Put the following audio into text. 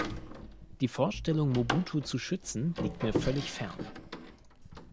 Die Vorstellung, Mobutu zu schützen, liegt mir völlig fern.